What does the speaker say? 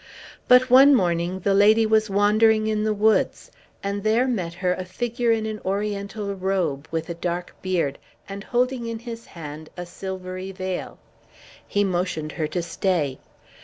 But one morning the lady was wandering in the woods, and there met her a figure in an Oriental robe, with a dark beard, and holding in his hand a silvery veil. He motioned her to stay.